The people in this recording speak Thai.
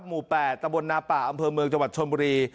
หมู่๘ตะบนนาป่าอำเภอเมืองจังหวัดชนบุรี